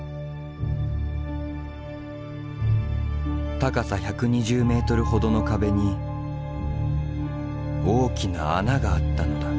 高さ１２０ｍほどの壁に大きな穴があったのだ。